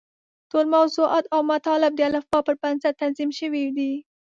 ټول موضوعات او مطالب د الفباء پر بنسټ تنظیم شوي دي.